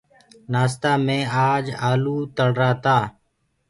نآستآ مي آج آلوُ تݪرآ تآ۔